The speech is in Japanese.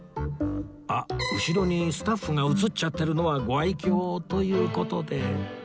あっ後ろにスタッフが写っちゃってるのはご愛敬という事で